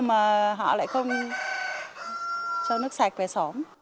mà họ lại không cho nước sạch về xóm